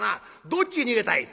どっちへ逃げたい？」。